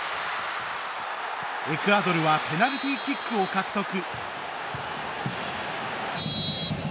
エクアドルはペナルティーキックを獲得。